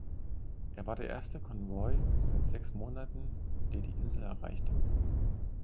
Er war der erste Konvoi seit sechs Monaten, der die Insel erreichte.